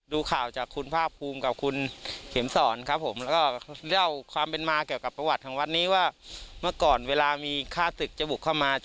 ดูข่าวจากคุณภาคภูมิกับคุณเข็มสอนครับผมแล้วก็เล่าความเป็นมาเกี่ยวกับประวัติของวัดนี้ว่าเมื่อก่อนเวลามีค่าตึกจะบุกเข้ามา